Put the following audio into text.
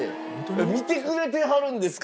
見てくれてはるんですか！？